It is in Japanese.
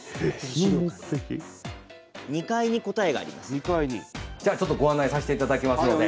本当にじゃあちょっとご案内させていただきますので。